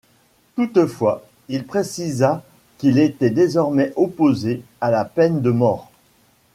Toutefois, il précisa qu'il était désormais opposé à la peine de mort.